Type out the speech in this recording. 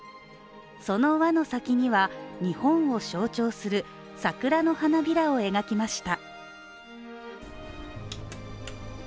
その輪の先には、日本を象徴する桜の花びらを描きました。